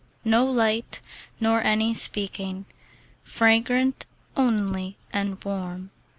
No light, nor any speaking; Fragrant only and warm.